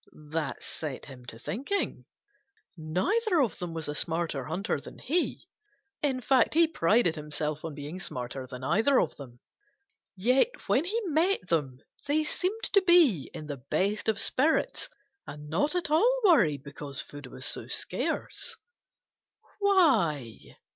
That set him to thinking. Neither of them was a smarter hunter than he. In fact, he prided himself on being smarter than either of them. Yet when he met them, they seemed to be in the best of spirits and not at all worried because food was so scarce. Why?